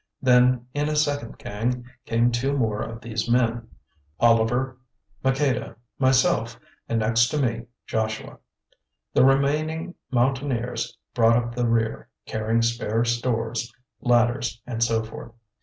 Then in a second gang came two more of these men, Oliver, Maqueda, myself, and next to me, Joshua. The remaining mountaineers brought up the rear, carrying spare stores, ladders, and so forth.